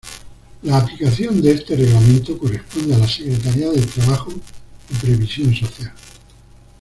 La aplicación de este reglamento corresponde a la Secretaría del trabajo y previsión social.